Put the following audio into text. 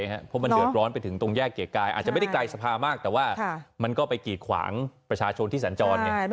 เพราะมันเดือดร้อนไปถึงตรงแยกเกียรติกายอาจจะไม่ได้ไกลสภามากแต่ว่ามันก็ไปกีดขวางประชาชนที่สัญจรไง